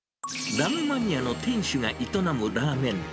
ダムマニアの店主が営むラーメン店。